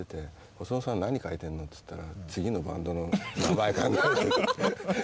細野さん何書いてんのっつったら次のバンドの名前考えてて。